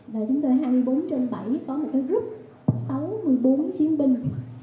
và chúng tôi hai mươi bốn trên bảy có một group sáu mươi bốn chiến binh